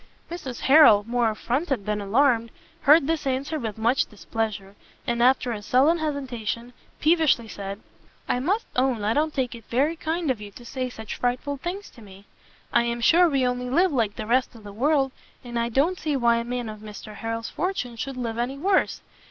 Mrs Harrel, more affronted than alarmed, heard this answer with much displeasure, and after a sullen hesitation, peevishly said, "I must own I don't take it very kind of you to say such frightful things to me; I am sure we only live like the rest of the world, and I don't see why a man of Mr Harrel's fortune should live any worse.